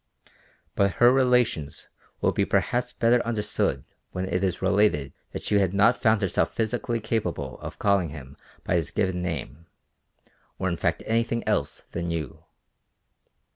But her relations will be perhaps better understood when it is related that she had not found herself physically capable of calling him by his given name, or in fact anything else than You.